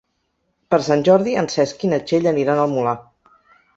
Per Sant Jordi en Cesc i na Txell aniran al Molar.